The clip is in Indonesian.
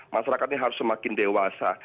masyarakatnya harus semakin dewasa